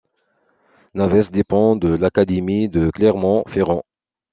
Naves dépend de l'académie de Clermont-Ferrand.